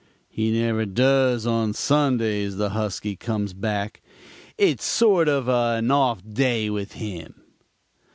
"'He never does on Sundays,' the husky comes back. 'It's sort of an off day with him.'